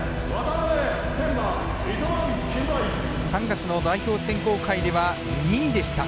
３月の代表選考会では２位でした。